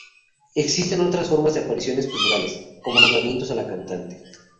Existen otras formas de apariciones culturales, como nombramientos a la cantante.